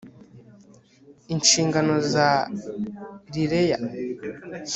inshingano za rlea